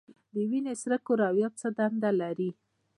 د وینې سره کرویات څه دنده لري؟